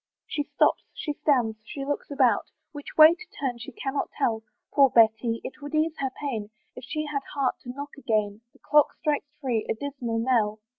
She stops, she stands, she looks about, Which way to turn she cannot tell. Poor Betty! it would ease her pain If she had heart to knock again; The clock strikes three a dismal knell!